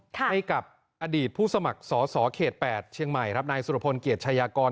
ให้กับอดีตผู้สมัครสอสอเขต๘เชียงใหม่ครับนายสุรพลเกียรติชายากร